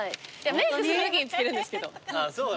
メークするときにつけるんですけど。